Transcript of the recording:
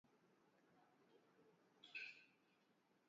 Ngamia anaweza kuwaambukiza ndui ngamia wenzake